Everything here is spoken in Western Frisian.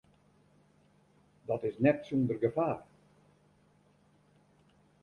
Dat is net sûnder gefaar.